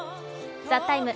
「ＴＨＥＴＩＭＥ，」